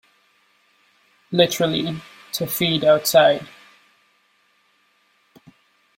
Literally, to feed outside.